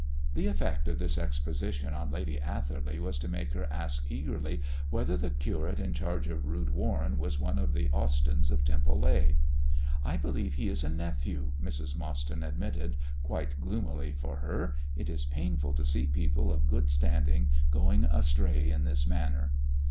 The effect of this exposition on Lady Atherley was to make her ask eagerly whether the curate in charge at Rood Warren was one of the Austyns of Temple Leigh. "I believe he is a nephew," Mrs. Mostyn admitted, quite gloomily for her. "It is painful to see people of good standing going astray in this manner."